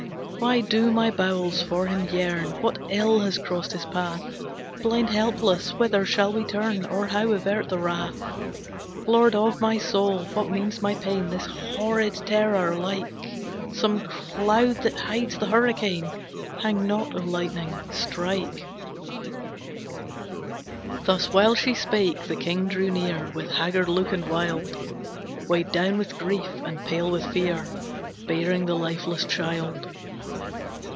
"Why do my bowels for him yearn, What ill has crossed his path? Blind, helpless, whither shall we turn, Or how avert the wrath? "Lord of my soul what means my pain? This horrid terror, like Some cloud that hides a hurricane; Hang not, O lightning, strike!" Thus while she spake, the king drew near With haggard look and wild, Weighed down with grief, and pale with fear, Bearing the lifeless child.